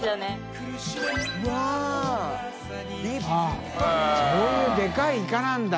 こういうでかいイカなんだ。